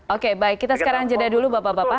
oke baik kita sekarang jeda dulu bapak bapak